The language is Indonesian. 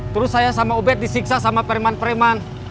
terus saya sama ubed disiksa sama pereman pereman